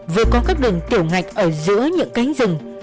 vừa có các đường tiểu ngạch ở giữa những cánh rừng